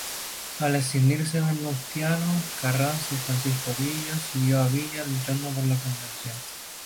Al escindirse Venustiano Carranza y Francisco Villa, siguió a Villa luchando por la convención.